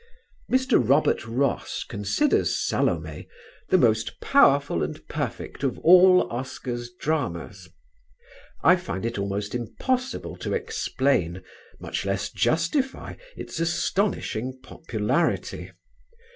Mr. Robert Ross considers "Salome" "the most powerful and perfect of all Oscar's dramas." I find it almost impossible to explain, much less justify, its astonishing popularity.